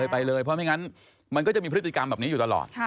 เพราะไม่งั้นมันก็จะมีพฤติกรรมแบบนี้อยู่ตลอด